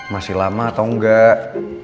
masih lama atau enggak